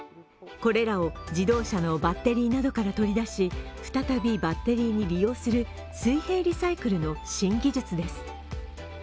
これらを自動車のバッテリーなどから取り出し、再びバッテリーに利用する水平リサイクルの新技術です。